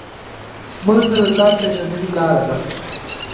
منډه د ځان پیژندنې لاره ده